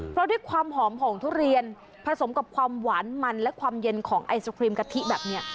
เพราะด้วยความหอมของทุเรียนผสมกับความหวานมันและความเย็นของไอศครีมกะทิแบบนี้